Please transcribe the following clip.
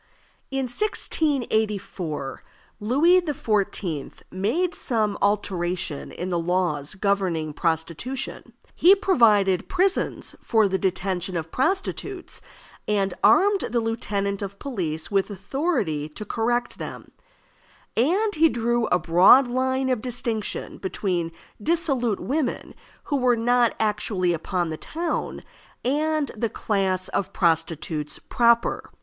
In 1684 Louis XIV. made some alteration in the laws governing prostitution. He provided prisons for the detention of prostitutes, and armed the lieutenant of police with authority to correct them; and he drew a broad line of distinction between dissolute women who were not actually upon the town and the class of prostitutes proper.